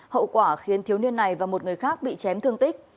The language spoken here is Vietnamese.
hậu quả khiến thiếu niên này và một người khác bị chém thương tích